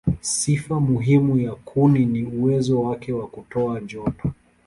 Sifa muhimu ya kuni ni uwezo wake wa kutoa joto.